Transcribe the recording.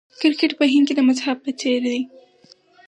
کرکټ په هند کې د مذهب په څیر دی.